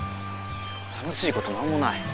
楽しいこと何もない。